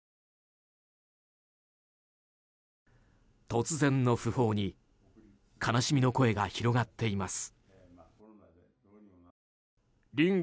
突然の訃報に悲しみの声が広がっています。